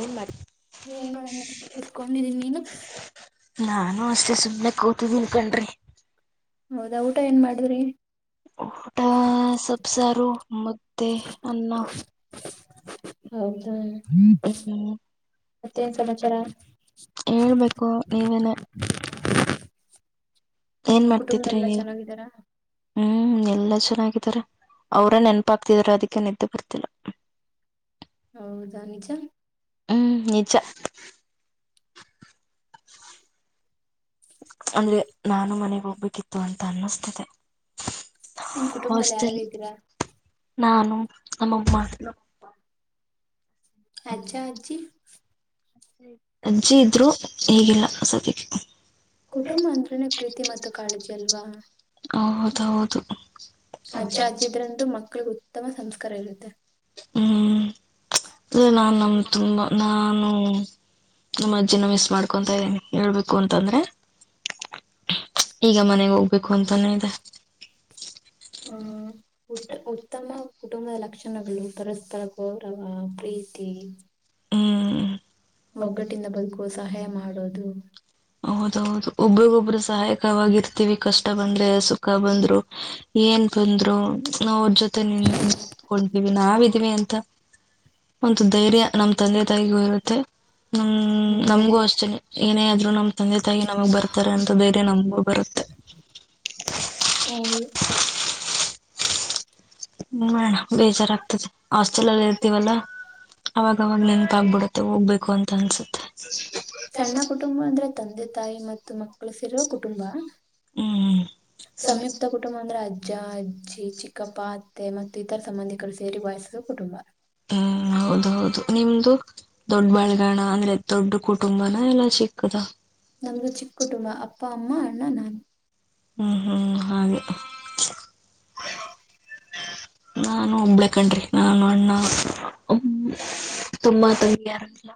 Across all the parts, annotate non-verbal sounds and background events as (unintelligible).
ಏನ್ ಮಾಡ ಏನ್ ಮಾಡೋಣ ಕುತ್ಕೊಂಡಿದೀನಿ ನೀನು ನಾನು ಅಷ್ಟೆ ಸುಮ್ಮನೆ ಕೂತಿದ್ದೀನ್ ಕಣ್ರಿ ಹೌದಾ ಊಟ ಏನ್ ಮಾಡಿದ್ರಿ? ಊಟ ಸೊಪ್ಪ ಸಾರು ಮುದ್ದೆ ಅನ್ನ ಹೌದಾ ಹ್ಮ ಹ್ಮ್ ಮತ್ತೇನ ಸಮಾಚಾರ ಹೇಳ್ಬೇಕು ನೀವೇನ ನಿಮ್ ಏನ್ ಮಾಡ್ತಿದ್ರಿ ಕುಟುಂಬದಲ್ಲೆಲ್ಲ ನೀವು ಚೆನ್ನಾಗಿದ್ದಾರಾ ಹ್ಮ್ ಎಲ್ಲಾ ಚೆನ್ನಾಗಿದ್ದಾರೆ ಅವ್ರ ನೆನಪಾಗ್ತಿದ್ರ ಅದಕ್ (unintelligible) ನಿದ್ದೆ ಬರ್ತಿಲ್ಲ ಹೌದಾ ನಿಜ ಹ್ಮ್ ನಿಜ ಅಂದ್ರೆ ನಾನು ಮನೆಗ ಹೊ (unintelligible) (unintelligible) ಅಂತ ಅನ್ನಿಸ್ತಿದೆ ನಿಮ್ ಕುಟುಂಬದಲ್ಲಿ ಯಾರಾರ್ ಹಾಸ್ಟೆಲ್ ಇದ್ದೀರಾ ನಾನು ನಮ್ಮಮ್ಮ ನಮಪ್ಪ ಅಜ್ಜ ಅಜ್ಜಿ ಅಜ್ಜಿ ಇದ್ರು ಇಗಿಲ್ಲ ಸದ್ಯಕ್ಕೆ ಕುಟುಂಬ ಅಂದ್ರೇನೆ ಪ್ರೀತಿ ಮತ್ತು ಕಾಳಜಿ ಅಲ್ವಾ ಹೌದೌದು ಅಜ್ಜ ಅಜ್ಜಿ ಇದ್ರುಂಟು ಮಕ್ಳು ಗೊತ್ತ (unintelligible) ಉತ್ತಮ ಸಂಸ್ಕಾರ ಇರುತ್ತೆ ಹ್ಮ್ (unintelligible) ನಾ ನಮ್ ತುಂಬಾ ನಾನು ನಮ್ಮ ಅಜ್ಜಿನ ಮಿಸ್ ಮಾಡ್ಕೊತ ಇದ್ದನಿ ಹೇಳ್ಬೇಕು ಅಂತಂದ್ರೆ ಈಗ ಮನೆಗೆ ಹೋಗ್ಬೇಕು ಅಂತಾನೆ ಇದೆ ಹ್ಮ್ ಉಟ್ಟ ಉತ್ತಮ ಕುಟುಂಬದ ಲಕ್ಷಣಗಳು ಪರಸ್ಪರ ಗೌರವ ಪ್ರೀತಿ ಹ್ಮ್ ಒಗ್ಗಟ್ಟಿಂದ ಬದುಕುವ ಸಹಾಯ ಮಾಡ ಹಡದು (unintelligible) ಹೌದೌದು ಒಬ್ಬರಗೊಬ್ಬರು ಸಹಾಯಕವಾಗಿರ್ತಿವಿ ಕಷ್ಟ ಬಂದ್ರೆ ಸುಖ ಬಂದ್ರು ಏನ್ ಬಂದ್ರು ನಾವ್ ಅವ್ರ ಜೊತೆ ನೀ ನಿಂತ್ಕೊಂತೀವಿ (unintelligible) ನಾವಿದೀವಿ ಅಂತ ಒಂತ ಧೈರ್ಯ ನಮ್ ತಂದೆ ತಾಯಿಗೂ ಇರುತ್ತೆ ಹ್ ನಮ್ಗೂ ಅಷ್ಟತೇನೆ ಏನೇ ಆದ್ರೂ ನಮ ತಂದೆ ತಾಯಿ ನಮಗ್ ಬರ್ತಾರೆ ಅಂತ ಧೈರ್ಯ ನಮಗೂ ಬರುತ್ತೆ (unintelligible) ನೋಡೋಣ ಬೇಜಾರಾಗ್ತದೆ ಹಾಸ್ಟೆಲ್ ಅಲ್ಲಿ ಇರ್ತೀವಲ್ಲಾ ಅವಾಗವಾಗ ನೆನ್ಪಾಗಬಿಡತ್ತೆ ಹೋಗ್ಬೇಕು ಅಂತ ಅನ್ಸುತ್ತೆ ಸಣ್ಣ ಕುಟುಂಬ ಅಂದ್ರೆ ತಂದೆ ತಾಯಿ ಮತ್ (unintelligible) ಮಕ್ಕಳು ಸೇರೋ ಕುಟುಂಬ ಹ್ಮ್ ಸಂಯುಕ್ತ ಕುಟುಂಬ ಅಂದ್ರೆ ಅ ಅಜ್ಜ ಅಜ್ಜಿ ಚಿಕ್ಕಪ್ಪ ಅತ್ತೆ ಮತ್ತು ಇತರ ಸಂಬಂಧಿಕರು ಸೇರಿ ಬಯಸುವ ಕುಟುಂಬ ಹ್ಮ್ ಹೌದ ಹೌದು ನಿಮ್ದು ದೊಡ್ಡ ಬಾಳಗಾಣ ಅಂದ್ರೆ ದೊಡ್ಡ ಕುಟುಂಬನ ಎಲ್ಲ ಚಿಕ್ಕದ ನಮ್ದು ಚಿಕ್ಕ ಕುಟುಂಬ ಅಪ್ಪ ಅಮ್ಮ ಅಣ್ಣ ನಾನು ಹ್ಮ್ ಹ್ಮ್ ಹಾಗ ನಾನು ಒಬ್ಳ ಕಣ್ರಿ ನಾನು ಅಣ್ಣ ತುಂಬಾ ತಂಬಿಯರಿಲ್ಲ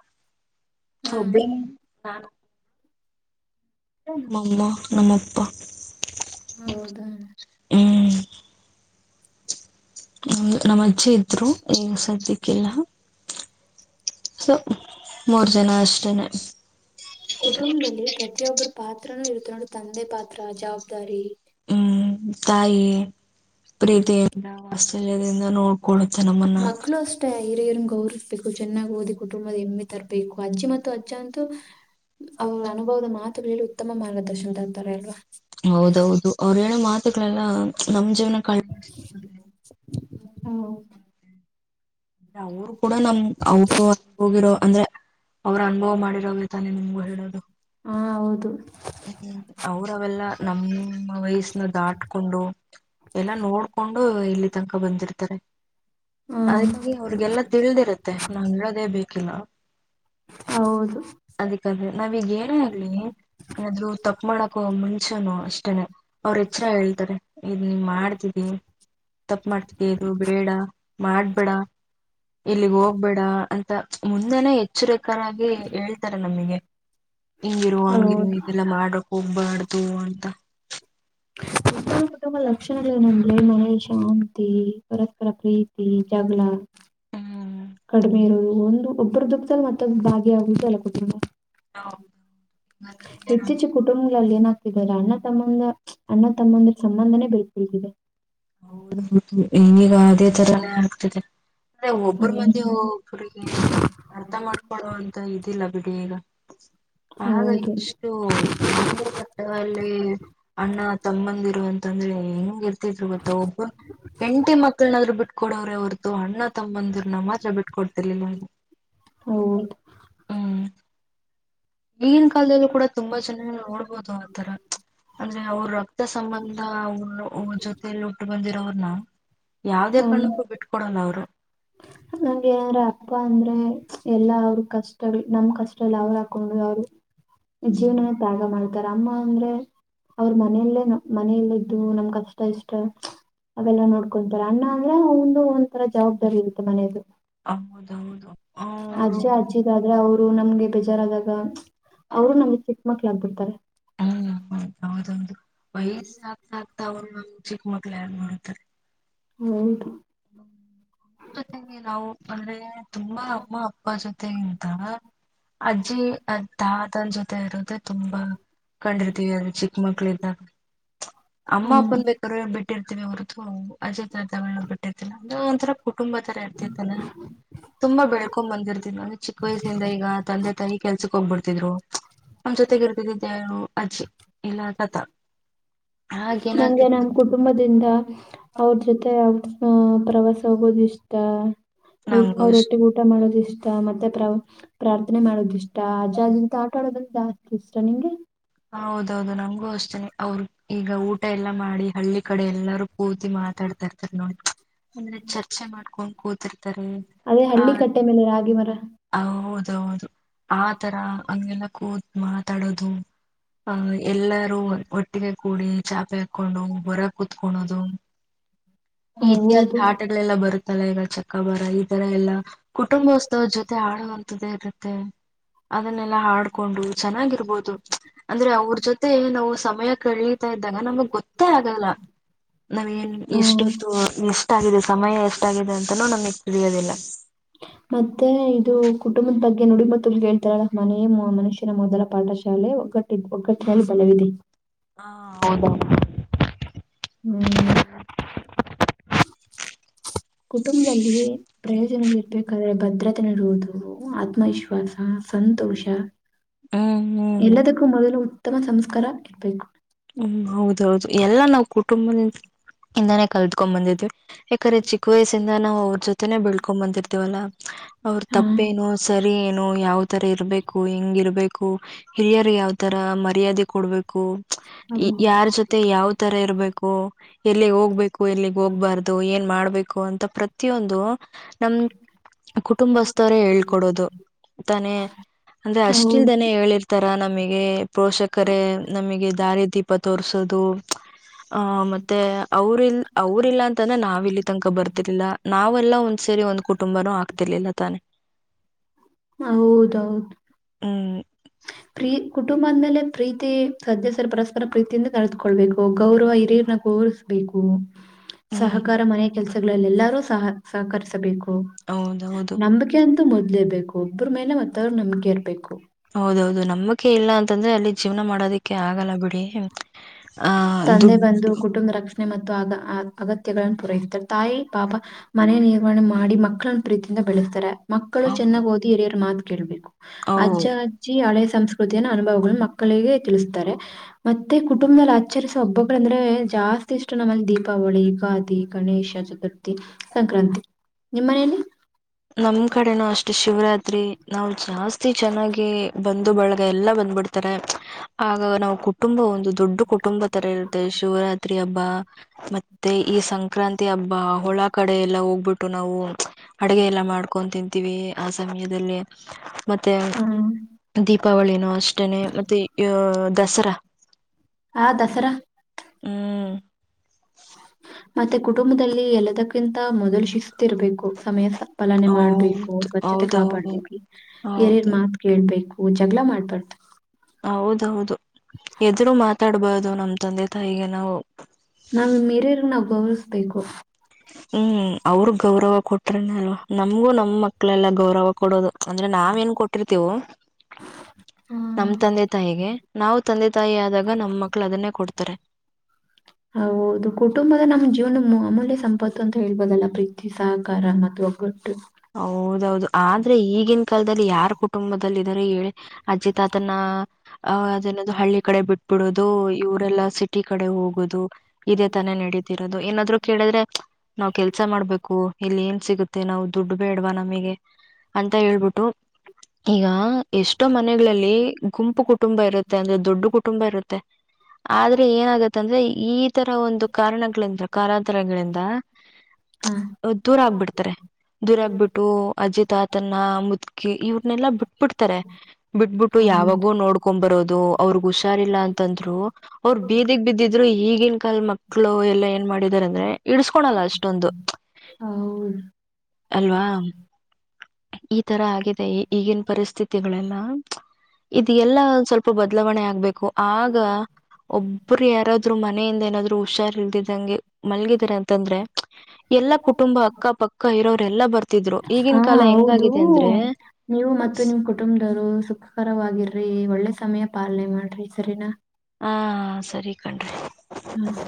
ಹಾ ಒಬ್ಳೆ ನಮ್ಮ ಅಮ್ಮ್ ಅಪ್ಪ ಹೌದಾ (inaudible) ಹ್ಮ ರಾಮ ಚಿದ್ರು ಈ ಸದ ಕಲ್ಲ ಸ ಮೂರ್ ಜನ ಅಷ್ಟೇನೆ ಪಾತ್ರನುೂ ಇರುತ್ತ ನೋಡಿ ತಂದೆ ಪಾತ್ರ ಜವಾಬ್ದಾರಿ ಹ್ಮ್ ತಾಯಿ ಪ್ರೀತಿ ಚದಿಂದ ನೋಡ್ಕೊಳ್ಳ ಮಕ್ಳು ಅಷ್ಟೇ ಹಿರಿಯ ಗೌವ್ಬೇಕು ಚೆನ್ನಾಗ್ ಓದಿ ಕುಟುಂಬದ ಹೆಮ್ಮೆ ತರಬೇಕು ಅಜ್ಜಿ ಮತ್ತು ಅಜ್ಜ ಅಂತೂ ಅವರ ಅನುಭವದ ಮಾತ್ ಲ್ಲಿ ಉತ್ತಮ ಮಾರ್ಗದರ್ಶನ ತ ಅತರ ಇಲ್ವಾ ಹೌದೌದು ಅವ್ರ ಹೇಳೋ ಮಾತುಗಳೆಲ್ಲ ನಮ್ ಜೀವನ ಕಳ್ ಹೌ ಅವರು ಕೂಡ ನಮ್ ಅವರು ಹೋಗಿರೋ ಅಂದ್ರೆ ಅವ್ರರು ಅನುಭವ ಮಾಡಿರೋದೆ ತಾನೆ ನಿಮ್ಗ ಹೇಳದು ಹಾ ಹೌದು ಹ್ಮ್ ಅವ್ರ ಅವೆಲ್ಲ ನಮ್ಮ ವಯಸ್ಸನ ದಾಟ್ಕೊಂಡು ಎಲ್ಲಾ ನೋಡ್ಕೊಂಡು ಇಲ್ಲಿ ತನಕ ಬಂದಿರ್ತಾರೆ ಹಾ ಅದಕ್ಕಾಗಿ ಅವ್ರಿಗೆಲ್ಲಾ ತಿಳ್ದಿರತ್ತೆ ನಾನ್ ಹೇಳೋದೇ ಬೇಕು ಲ ಹೌದು ಅದಕ್ಕೆ ಅದ ನಾ ಗೇರ ಆಗ್ಲಿ (unintelligible) ಆದರುತಪ್ಪು ಮಾಡಕ ಮುಂಚೆನು ಅಷ್ಟೇನೆ ಅವ್ರ ಹೆಚ್ಚರ ಹೇಳ್ತಾರೆ ಇದ್ ನೀ ಮಾಡ್ತಿದಿ ತಪ್ಪ ಮಾಡ್ತಿದಿ ಅದು ಬೇಡ ಮಾಡಬೇಡ ಇಲ್ಲಿಗ್ ಹೋಗ್ಬೇಡ ಅಂತ ಮುಂದೆನೆ ಎಚ್ಚರಿಕರಾಗಿ ಹೇಳ್ತಾರ ನಮಿಗೆ ಹಿಂಗಿರುವ ಹಂಗೆ ಹೌದು. ಇದೆಲ್ಲ ಮಾಡ ಹೋಗ್ಬಾರ್ದು ಅಂತ ಇ ಕುಟುಂಬ ಲಕ್ಷಣ ದನ ಮನ ಹುಂಮತ್ತೆಪರಸ್ಪರ ಪ್ರೀತಿ ಜಗಳ ಹ್ಮ್ ಒಬ್ಬ್ರ ದುಕ್ತಲ್ ಮತ್ತೋಬರುಬಾಗಿಿಯಗ ಎತ್ತಚ ಕುಟುಂಬ ಅಲ್ಲಿ ಏನಾಗ್ತಿದೆ ಅಣ್ಣ ತಮ್ಮ ಅಣ್ಣ ತಮ್ಮಂದಿರ ಸಂಬಂಧನೇ (unintelligible) ಅದೇ ತರನೆ ಆಗ್ತಿದೆ ಅಂದ್ರೆ ಒಬ್ಬರ ಹ್ಮ್ ಮದ್ಯೆ ಒಬ್ರಿಗೆ ಅರ್ಥ ಮಾಡ್ಕೊಳ್ಳುವ ಅಂತ ಇದಿಲ್ಲ ಬಿಡು. ಬೇಡ ಆಗ ಹೌದು ಎಷ್ಟು ಒಂದೇ ತಟ್ಟೆಯಲ್ಲಿ ಅಣ್ಣ ತಮ್ಮಂದಿರುವ ಅ ಅಂದ್ರೆ ಹೆಂಗ ಇರ್ತಿದ್ರು ಒಬ್ರು ಹೆಂಡ್ತಿ ಮಕ್ಳನಾದ್ರು ಬಿಟ್ಕೊಡವ್ರೆ ಹೊರತು ಅಣ್ಣ ತಮ್ಮಂದ್ರ ನ ಮಾತ್ರ ಬಿಟ್ಕೊಡ್ತಿರ್ಲಿಲ್ಲ ಹೌದು ಹ್ಮ್ ಈಗಿನ್ ಕಾಲದಲ್ಲೂ ಕೂಡ ತುಂಬಾ ಚೆನ್ನಾಗಿ ನೋಡ್ಬೋದು ಆ ತರ ಅಂದ್ರೆ ಅವ್ರ ರಕ್ತ ಸಂಬಂಧ ಅವ್ರ ಜೊತೆಯಲ್ಲಿ ಹುಟ್ಟಿ ಬೆಳೆದಿರೊರನ್ನ ಯಾವುದೇ ಹ ಕಾರಣಕ್ಕೂ ಬಿಟ್ಟು ಕೊಡೋದಿಲ್ಲ ಅವರನ್ನ ಹ (inaudible) ನಂಗೆ ಯಾರ ಅಪ್ಪ ಅಂದ್ರೆ ಎಲ್ಲಾ ಅವ್ರ ಕಷ್ಟಗಳು ನಮ್ ಕಷ್ಟಗಳಲಿ ಅವ್ರು ಹಾಕೊಂಡು ಅವರು. ಜೀವನ ತ್ಯಾಗ ಮಾಡ್ ಅಮ್ಮ ಅಂದ್ರೆ ಅವ್ರ ಮನೆಯೆಲ್ಲಾ ಮನೆಯಲ್ಲಿ ಇದ್ದು ನಮ್ ಕಷ್ಟ ಇಷ್ಟ ಅವೆಲ್ಲ ನೋಡ್ಕೊತಾರೆ ಅಣ್ಣ ಅಂದ್ರೆ ಅವರು ಒಂದು.. ಒಂದತರ ಜವಾಬ್ದಾರಿ ಇರುತ್ತೆ ಮನೆಯಲ್ಲಿ ಹೌದೌದು ಅವರು ಅಜ್ಜ ಅಜ್ಜಿ ಆದ್ರೆ.... ಅವರು ನಮ್ಗೆ ಬೇಜಾರಾದಾಗ.... ಅವರು ನಮ್ಗ್ ಚಿಕ್ಕ ಮಕ್ಳು ಯಾಕ್ ಬಿಡ್ತಾರೆ ಹ್ಮ ಹೌ ಹೌದೌದು ವಯಸ್ಸು ಆಗ್ತಾ ಆಗ್ತಾ... ತಾವು ಚಿಕ್ಕ ಮಕ್ಳು ಹಾಗೆ ಮಾಡತಾರೆ (unintelligible) ಹೌಂದು ಅಕ್ಕಾ ತಂಗಿ ನಾವು ಅಂದ್ರೆ ತುಂಬಾ ಅಮ್ಮ ಅಪ್ಪ ಜೊತೆಗಿಂತ.... ತನ್ ಜೊತೆ ಇರೊದೆ ತುಂಬಾ. ಕಂಡಿರ್ತೀವಿ ಆ ಚಿಕ್ಕ.... ಮಕ್ಕಳಿಂದ ಹ ಅಮ್ಮ ಅಪ್ಪನ್ ಬೇಕಾದ್ರ ಬಿಟ್ಟು.... ಇರ್ತಿವೆ ಹೊರತು ಆಚೆ..... ಅಜ್ಜಿ ತಾತನ ಬಿಟ್ಟಿರ್ತಿರ್ಲಿಲ್ಲ ಒಂಥರ ಕುಟುಂಬ ತರ ಇರ್ತಿತ್ತಲ್ಲ ತುಂಬಾ ಬೆಳ್ಕೊಂಡ್ ಬಂದಿರ್ತಿದ್ವಿ ಚಿಕ್ಕ ವಯಸ್ಸಿನಿಂದ ಈಗ ತಂದೆ ತಾಯಿ ಕೆಲ್ಸಕ್ ಹೋಗ್ಬಿಡ್ತಿದ್ರು ನಮ್ ಜೊತೆಗ ಇರ್ತಿದಿದ್ದೆ ಅವರು. ಅಜ್ಜಿ ಇಲ್ಲ ತಾತ ಹಾಗ ನಂಗೆ ನಮ ಏನಾಗ್ತಿತ್ತು ಕುಟುಂಬದಿಂದ ಅವ್ರ ಜೊತೆ ಹಹ ಪ್ರವಾಸ ಹೋಗೋದ ಇಷ್ಟ ಊ ನಂಗು ಇಷ್ಟ ಅವರೊಟ್ಟಿಗೆ ಊಟ ಮಾಡೋದ ಇಷ್ಟ ಮತ್ತೆ ಪ್ರ ಪ್ರಾರ್ಥನೆ ಮಾಡೋದಿಷ್ಟು ಅಜ್ ಇಂತ ಆಟ ಆಡೋದ ಜಾಸ್ತಿ ಇಷ್ಟ ನಿಂಗೆ ಹ ಹೌದೌದು ನಂಗಗೂ ಅಷ್ಟತೇನೆ ಅವ್ರ ಈಗ ಊಟ ಎಲ್ಲಾ ಮಾಡಿ ಹಳ್ಳಿ ಕಡೆ ಎಲ್ಲಾರೂ ಕೂತಿ ಮಾತಾಡ್ತಾ ಇರ್ತಾರೆ ನೋಡಿ ಅಂದ್ರೆ ಚರ್ಚೆ ಮಾಡ್ಕೊಂಡ್ ಕೂತಿರ್ತಾರೆ ಅದೇ ಹಳ್ಳಿ ಕಟ್ಟೆ ಮೇಲೆ ರಾಗಿ ಮರ ಆ ಹೌದು ಆ ತರ ಹಂಗೆಲ್ಲ ಕೂತ್ ಮಾತಾಡೋದು ಆಹ ಎಲ್ಲಾರೂ ಒಟ್ಟಿಗೆ ಕೂಡಿ ಚಾಪೆ ಹಾಕೊಂಡು ಬರ ಕುೂತ್ಕೋಣದು ಇತ್ಯಾದಿ ಹೌದು ಆಟಗಳೆಲ್ಲ ಬರುತ್ತಲ್ಲ ಈಗ ಚ ಕಬಾರ ಈ ತರ ಎಲ್ಲ ಕುಟುಂಬೋತ್ಸವ ಜೊತೆ ಆಡುವ ಇದೇ ಇರುತ್ತೆ ಅದನ್ನೆಲ್ಲಾ ಹಾಡ್ಕೊಂಡು ಚೆನ್ನಾಗಿರ್ ಹೌದು ಅಂದ್ರೆ ಅವ್ರ ಜೊತೆ ನಾವು ಸಮಯ ಕಳೀಿತಾ ಇದ್ದಾಗ ನಮಗ್ ಗೊತ್ತೇ ಆಗಲ್ಲ ನಾವೇನ್ ಎಷ್ಟೊ ಹ್ಮ್ ಇ ಎಷ್ಟ ಆಗಿದೆ ಸಮಯ ಎಷ್ಟಾಗಿದೆ ಅಂತಾನೂ ನಮಗ್ ತಿಳಿಯೋದಿಲ್ಲ ಮತ್ತೆ ಇದು ಕುಟುಂಬದ ಬಗ್ಗೆ ಹಾಗ ನುಡಿ ಮುತ್ತು ಕೇಳ್ತಾಳ ಮನೆಯ ಮನುಷ್ಯನ ಮೊದಲ ಪಾಠಶಾಲೆ ಒಗ್ಗಟ್ಟ ಒಗ್ಗಟ್ಟಿನಲ್ಲಿ ಬಲವಿದೆ ಹಾ ಹೌದ ಹ್ಮ್ ಕುಟುಂಬದಲ್ಲಿ ಪ್ರಯೋಜನಗಳಿರ್ಬೇಕಾದ್ರೆ ಭದ್ರತೆ ನಡುವುದು ಆತ್ಮವಿಶ್ವಾಸ ಸಂತೋಷ ಹ್ಮ್ ಹ್ಮ್ ಎಲ್ಲದಕ್ಕ ಮೊದಲು ಉತ್ತಮ ಸಂಸ್ಕಾರ ಇರ್ಬೇಕು ಹ್ಮ್ ಹೌದೌದು ಎಲ್ಲ ನಾವವು್ ಕುಟುಂಬದಿಂದ ಇಂದಾನೇ ಕಲ್ತ್ಕೊಂಡ್ ಬಂದಿದ್ವಿ ಯಾಕ್ರೆ ಚಿಕ್ಕ ವಯಸ್ಸಿಂದ ನಾವು ಅವ್ರ ಜೊತೆ ಬೆಳ್ಕೊಂಡ್ ಬಂದಿರ್ತೇವಲ್ಲಾ ಅವ್ರ ಹಾ ತಪ್ಪೇನು ಸರಿ ಏ ಯಾವ್ ತರ ಇರ್ಬೇಕು ಹೆಂಗ ಇರ್ಬೇಕು ಹಿರಿಯರ್ ಯಾವ್ ತರ ಮರ್ಯಾದೆ ಕೊಡ್ಬೇಕು ಹೌದು ಯಾರ್ ಜೊತೆ ಯಾವ್ ತರ ಇರ್ಬೇಕು ಎಲ್ಲ ಹೋಗ್ಬೇಕು ಕು ಇಲಿಗ್ ಹೋಗ್ಬಾರ್ದು ಏನ್ ಮಾಡ್ಬೇಕು ು ಅಂತ ಪ್ರತಿಯೊಂದು ನಮ್ ಕುಟುಂಬಸ್ಥವರೇ ಹೇಳ್ಕೊಡೋದು ತಾನೇ ಅಂದ್ರೆ ಅಷ್ಟಲ್ದನೇ ಹೌದು ಹೇಳಿರ್ತಾರ ನಮಗೆ ಪೋಷಕರೇ ನಮಗೆ ದಾರಿ ದೀಪ ತೋರಿಸೋದು ಆಹ ಮತ್ತೆ ಅವ್ರ ಇಲ್ ಅವ್ರ ಇಲ್ಲ ಅಂತಾನೆ ನಾವ್ ಇಲ್ಲಿ ತನಕ ಬರ್ತಿರ್ಲಿಲ್ಲ ನಾವೆಲ್ಲ ಒಂದ್ ಸೇರಿ ಒಂದ್ ಕುಟುಂಬನುೂ ಆಗ್ತಿರ್ಲಿಲ್ಲ ತಾನೆ ಹೌದೌದು ಹ್ಮ್ ಪ್ರೀ ಕುಟುಂಬದ ಮೇಲೆ ಪ್ರೀತಿ ಸದಸ್ಯರು ಪರಸ್ಪರ ಪ್ರೀತಿಯಿಂದ ಕಳೆದುಕೊಳ್ಬೇಕು ಗೌರವ ಹಿರಿಯರನ ಗೌರವಿಸಬೇಕು ಹ್ಮ್ ಸಹಕಾರ ಮನೆ ಕೆಲ್ಸ ಎಲ್ಲರೂ ಸಹ ಸಹಕರಿಸಬೇಕು ಹ ಹೌದೌದು ನಂಬಗೆ ಮೊದ್ಲೇಬೇಕು ಒಬ್ಬ್ರ ಮೇಲೆ ಮತ್ತ ಅವ್ರು ನಮಿಕೆ ಇರ್ಬೇಕು ಹೌದೌದು ನಂಬಿಕೆ ಇಲ್ಲ ಅಂತಂದ್ರೆ ಅಲ್ಲಿ ಜೀವನ ಮಾಡೋದಿಕ್ಕೆ ಅೆ ಆಗಲ್ಲ ಬಿಡಿ ಆ ತಂದೆ ಬಂದು ಕುಟುಂಬ ರಕ್ಷ ಮತ್ತು ಅಗ ಅಗತ್ಯಗಳನ್ನು ಪೂರೈಸ್ತಾರೆ ತಾಯಿ ಪಾಪಾ ಮನೆ ನಿರ್ವಹಣೆ ಮಾಡಿ ಮಕ್ಕಳನ್ನ ಪ್ರೀತಿಯಿಂದ ಬೆಳೆಸ್ತಾರೆ ಮಕ್ಕಳು ದುಡ್ಡು ಚನ್ನಗಿ ಓದಿ ಹಿರಿಯರು ಮಾದ ಕೇಳ್ಬೇಕು ಅಜ್ಜ ಅಜ್ಜಿ ಹಳೆ ಸಂಸ್ ಕೃತಿಯ ಅನುಭವಗಳು ಮಕ್ಕಳಿಗೆ ತಿಳಿಸುತ್ತಾರೆ ಮತ್ತೆ ಕುಟುಂಬದ ಆಚರಿಸ ಹಬ್ಬಗಳಂದ್ರೆ ಜಾಸ್ತಿ ಇಷ್ಟು ನಮ್ಮಲ್ಲಿ ದೀಪಾವಳಿ ಯುಗಾದಿ ಗಣೇಶ ಚತುರ್ಥಿ ಸಂಕ್ರಾಂತಿ ನಿಮ್ಮ್ ಮನೇೆಯಲ್ಲಿ ನಮ್ ಕಡೆನೂ ಅಷ್ಟು ಶಿವರಾತ್ರಿ ರಿ ನಾವು ಜಾಸ್ತಿ ಚೆನ್ನಾಗಿ ಬಂದು ಬಳ ಎಲ್ಲ ಬಂದ್ಬಿಡ್ತಾರೆ ಆಗ ನಾವು ಕು ಕುಟುಂಬ ಒಂದು ದೊಡ್ಡ ಕುಟುಂಬ ತರ ಇರುತ್ತದೆ ಶಿವರಾತ್ರಿ ಹಬ್ಬ ಮತ್ತು ಈ ಸಂಕ್ರಾಂತಿ ಹಬ್ಬ ಹೊಳ ಕಡೆ ಎಲ್ಲ ಹೋಗ್ಬಿಟ್ಟು ನಾವು ಅಡುಗೆ ಎಲ್ಲ ಮಾಡ್ಕೊಂಡಂತಂತ ವ ಆ ಸಮಯದಲ್ಲಿ ಮತ್ತೆ ದೀಪ ಕವಳಿನಲ್ ಅಷ್ಟನೆ ಮತ್ತೆ ದಸರಾ ಹಾ ದಸರಾ ಹ್ಮ್ ಮತ್ತೆ ಕುಟುಂಬದಲ್ಲಿ ಎಲ್ಲದಕ್ಕಿಂತ ಮೊದಲು ಶಿಸ್ತಿರಬೇಕು ಸಮಯಸ ಪಾಲನೆ ಮಾಡ್ಬೇಕು ಹೌದು ಸ್ವಚ್ಛತೆ ಹೌದೌದು ಕಾಪಾಡ್ಬೇಕು ಹಿರಿಯರ ಹೌದು ಮಾತ್ರ ಕೇಳ್ಬೇಕು ಹ ಜಗಳ ಮಾಡ್ಬಾರ್ದ ಹೌದೌದು ಎದರು ಮಾತಾಡ್ಬಹದು ನಮ್ದು ತಂದೆ ತಾಯಿಗೆ ನಾವು ನಾವು ನಮ್ಮ ಹಿರಿಯರ್ ನಾ ಗೌರವಿಸ್ಬೇಕು ಹ್ಮ್ ಅವ್ರ ಗೌರವ ಕೊಟ್ರೇನೆ ಅಲ್ವಾ ನಮ್ಗೂ ನಮ್ ಮಕ್ಳೆಲ್ಲ ಗೌರವ ಕೊಡೋದು ಅಂದ್ರೆ ನಾವ ಏನ್ ಕೊಟ್ಟಿರ್ತವು ನಮ ತಂದೆ ತಾಯಿಗೆ ನಾವು ತಂದೆ ತಾಯಿ ಆದಾಗ ನಮ್ ಮಕ್ಳು ಅದನ್ನೇ ಕೊಡ್ತಾರೆ ಹೌದು ಕುಟುಂಬದ ನಮ್ಮ್ ಜೀವನ ಅಮೂಲ್ಯ ಸಂಪತ್ತು ಅಂತ ಹೇಳ್ಬೋದಲ್ಲ ಪ್ರೀತಿ ಸಹಕಾರ ಮತ್ತು ಒಗ್ಗಟ್ಟು ಹೌದೌದು ಆದ್ರೆ ಈಗಿನ ಕಾಲದಲ್ಲಿ ಯಾರ ಕುಟುಂಬದ ಹೇಳಿ ಅಜ್ಜಿ ತಾತನ ಅ ಅದನದು ಹಳ್ಳಿ ಕಡೆ ಬಿಟ್ಬಿಡೋದು ಇವರೆಲ್ಲ ಸಿ ಕಡೆ ಹೋಗುದು ಇದೇ ತಾನ ನಡೀತಿರ ಅದು ಏನಾದ್ರು ಕೇಳಿದ್ರೆ ನಾವ್ ಕೆಲ್ಸ ಮಾಡ್ಬೇಕು ಇಲ್ಲಿ ಏನ್ ಸಿಗುತ್ತೆ ನಾವು ದುಡ್ಡು ಬೇಡ್ವಾ ನಮಗೆ ಅಂತ ಹೇಳ್ಬಿಟ್ಟು ಈಗ ಎಷ್ಟೋ ಮನೆಗಳಲ್ಲಿ ಗುಂಪು ಕುಟುಂಬ ಇರುತ್ತೆ ಮ ಅಂದ್ರೆ ದೊಡ್ಡ ಕುಟುಂಬ ಇರುತ್ತೆ ಆದ್ರೆ ಏನಾಗತ್ತಂದ್ರೆ ಈಏ ಈ ತರ ಒಂದು ಕಾರಣಗಳಿಂದ ಕಾರಾದಾರಗಳಿಂದ ಹಾ ದೂರ ಆಗ್ಬಿಡ್ತಾರೆ ದುರಗ್ಬಿಟ್ಟು ಅಜ್ಜಿ ತಾತನ್ನ ಮುದ್ಕಿ ಇವ್ರನೆೆಲ್ಲಾ ಬಿಟ್ಬಿಡ್ತಾರೆ ಬಿಟ್ಬಿಟ್ಟು ಯಾವಾಗೂ ಹೌದು ನೋಡ್ಕೊಂಡ್ ಬರೋದು ಅವ್ರಗ್ ಹುಷಾರಿಲ್ಲ ಅಂತಂದ್ರು ಅವ್ರರು ಬೀದಿಗೆ ಬಿದ್ದಿದ್ರು ಈಗಿನ ಕಾಲ ಮಕ್ಕ ಮಕ್ಕಳು ಎಲ್ಲಾ ಏನ್ ಮಾಡಿದಾರ ಅಂದ್ರೆ ಇಡ್ಸ್ಕೊಳಲ್ಲ ಅಷ್ಟೊಂದು ಹೌದು ಅಲ್ವಾ ಈ ತರ ಆಗಿದೆ ಪರಿಸ್ಥಿತಿ ಇದು ಎಲ್ಲಾ ಸ್ವಲ್ಪ ಬ ಬದಲಾವಣೆ ಆಗ್ಬೇಕು ಆಗ ಒಬ್ಬರು ಯಾರಾದ್ರು ಮನೆಯಿಂದ ಏನಾದ್ರು ಹುಷಾರ್ ಇಲ್ದಿದ್ದಂಗೆ ಮಲ್ಗಿದಿದ್ದಾರೆ ಅಂತಂದ್ರೆ ಎಲ್ಲಾ ಕುಟುಂಬ ಅಕ್ಕಪಕ್ಕ ಇರೋರೆಲ್ಲ ಬರ್ತಾರೆ ಹಾ ಹೌದು ನೀವು ಮತ್ತು ನಿಮ್ ಕುಟುಂಬದವರು ಸುಖಕರವಾಗಿರಿ ಒಳ್ಳೆ ಸಮಯ ಪಾಲನೆ ಮಾಡ್ರಿ ಸರಿನಾ ಹಾ ಸರಿ ಕಣ್ರಿ ಹ್ಮ್.